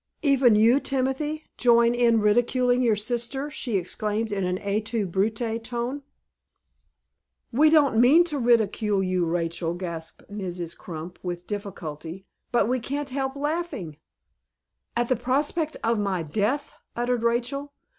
"Even you, Timothy, join in ridiculing your sister!" she exclaimed, in an 'Et tu Brute,' tone. "We don't mean to ridicule you, Rachel," gasped Mrs. Crump, with difficulty, "but we can't help laughing " "At the prospect of my death," uttered Rachel.